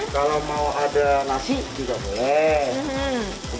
kalau mau ada nasi juga boleh